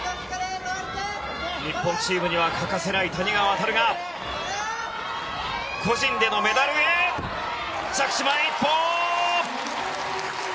日本チームには欠かせない谷川航が個人でのメダルへ着地、前、１歩。